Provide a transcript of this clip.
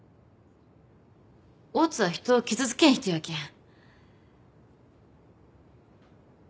大津は人を傷つけん人やけん。